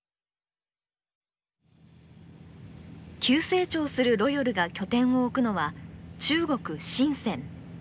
急成長するロヨルが拠点を置くのは中国・深。